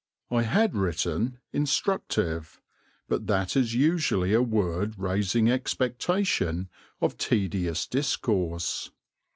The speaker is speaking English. I had written "instructive," but that is usually a word raising expectation of tedious discourse.